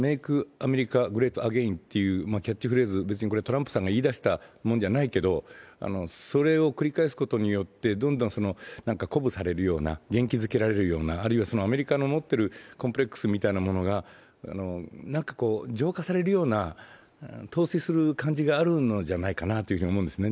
・アメリカ・グレート・アゲインというキャッチフレーズ、別にこれトランプさんが言い出したものじゃないけど、それを繰り返すことによって鼓舞されるような、あるいはアメリカの持っているコンプレックスみたいなものを浄化されるような統制される感じがあるんじゃないかなと思うんですね。